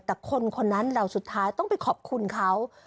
แต่คนคนนั้นเราสุดท้ายต้องไปขอบคุณเขา